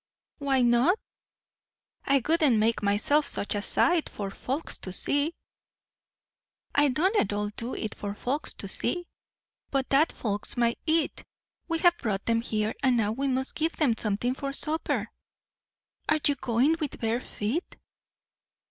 "Why not?" "I wouldn't make myself such a sight, for folks to see." "I don't at all do it for folks to see, but that folks may eat. We have brought 'em here, and now we must give them something for supper." "Are you goin' with bare feet?"